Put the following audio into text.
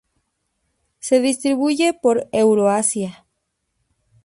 Se distribuye por Eurasia.